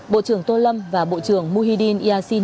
bộ trưởng tô lâm và bộ trưởng muhyiddin yassin